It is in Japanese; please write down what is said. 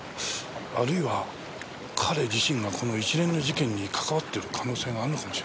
あるいは彼自身がこの一連の事件に関わっている可能性があるのかもしれませんね。